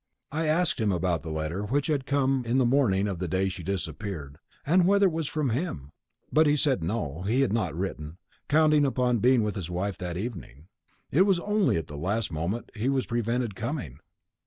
I asked him about the letter which had come in the morning of the day she disappeared, and whether it was from him; but he said no, he had not written, counting upon being with his wife that evening. It was only at the last moment he was prevented coming."